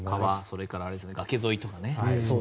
それから、崖沿いとかね。